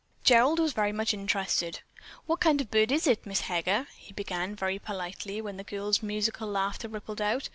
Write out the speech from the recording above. Gerald was much interested. "What kind of a bird is it, Miss Heger?" he began, very politely, when the girl's musical laughter rippled out.